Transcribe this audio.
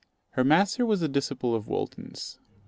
Her master was a disciple of Walton's.